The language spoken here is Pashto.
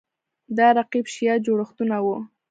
دا رقیب شیعه جوړښتونه وو